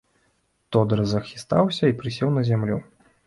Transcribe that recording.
Тодар захістаўся і прысеў на зямлю.